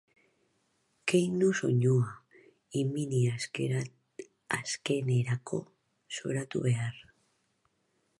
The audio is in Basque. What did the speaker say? Kendu soinua, imini, azkenerako zoratu behar.